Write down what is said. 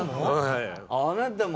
あなたも！？